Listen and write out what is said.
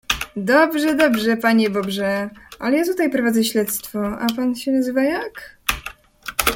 Dobrze dobrze, panie bobrze, ale ja tutaj prowadzę śledztwo, a pan się nazywa jak?